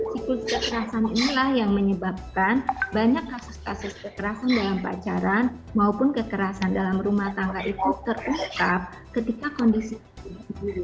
siklus kekerasan inilah yang menyebabkan banyak kasus kasus kekerasan dalam pacaran maupun kekerasan dalam rumah tangga itu terungkap ketika kondisi tubuh